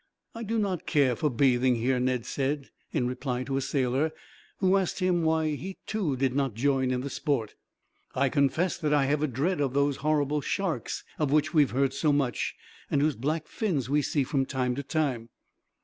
"I do not care for bathing here," Ned said, in reply to a sailor, who asked him why he too did not join in the sport. "I confess that I have a dread of those horrible sharks, of which we have heard so much, and whose black fins we see from time to time."